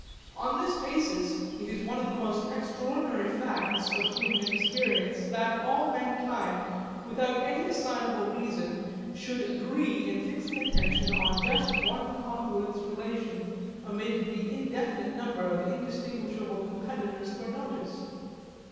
On this basis it is one of the most extraordinary facts of human experience that all mankind without any assignable reason should agree in fixing attention on just one congruence relation amid the indefinite number of indistinguishable competitors for notice.